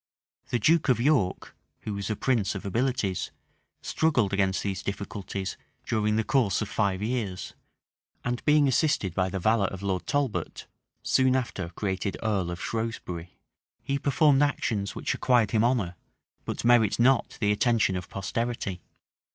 The duke of York, who was a prince of abilities, struggled against these difficulties during the course of five years; and being assisted by the valor of Lord Talbot, soon after created earl of Shrewsbury, he performed actions which acquired him honor, but merit not the attention of posterity.